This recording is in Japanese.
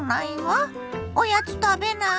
おやつ食べないの？